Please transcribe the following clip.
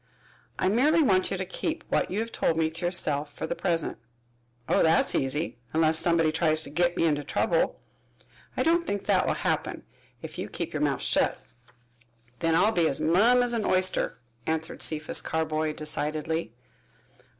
"I merely want you to keep what you have told me to yourself for the present." "Oh, that's easy unless somebuddy tries to git me into trouble." "I don't think that will happen if you keep your mouth shut." "Then I'll be as mum as an oyster," answered Cephas Carboy decidedly.